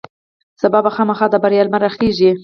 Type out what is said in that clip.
سبا به خامخا د بریا لمر راخیژي.